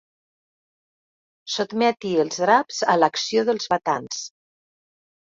Sotmeti els draps a l'acció dels batans.